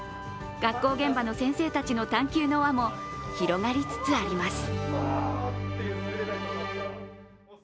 学校現場の先生たちの探求の輪も広がりつつあります。